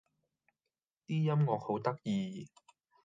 啲音樂好得意